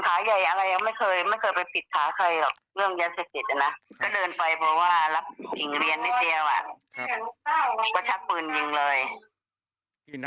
แต่ว่ามันไม่ใช่เรื่องนี้หรอก